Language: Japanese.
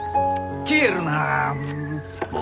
消えるな！